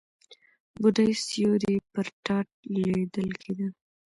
بوډۍ سيوری پر تاټ ليدل کېده.